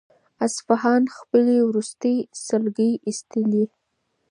اصفهان خپلې وروستۍ سلګۍ ایستلې.